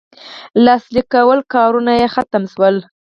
لاسلیک کولو کارونه یې ختم سول.